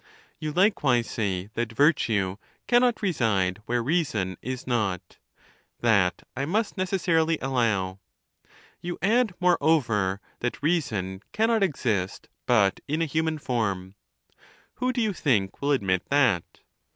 You likewise say that virtue cannot reside where reason is not. That I must necessarily allow. You add, moreover, that reason cannot exist but in a human form. Who, do you think, will admit that